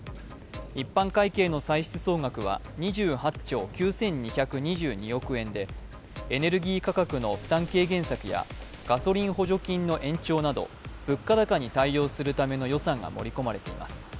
一般会計の歳出総額は２８兆９２２２億円でエネルギー価格の負担軽減策やガソリン補助金の延長など物価高に対応するための予算が盛り込まれています。